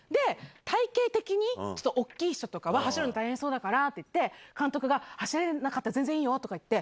体型的に、ちょっと大きい人とかは走るの大変そうだからって言って、監督が、走れなかったら全然いいよとか言って。